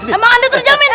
emang anda terjamin